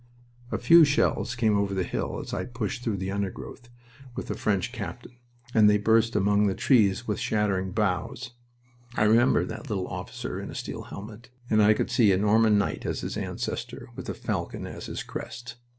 A few shells came over the hill as I pushed through the undergrowth with a French captain, and they burst among the trees with shattering boughs. I remember that little officer in a steel helmet, and I could see a Norman knight as his ancestor with a falcon as his crest.